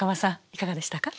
いかがでしたか？